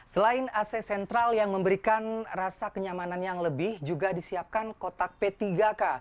selain ac sentral yang memberikan rasa kenyamanan yang lebih juga disiapkan kotak p tiga k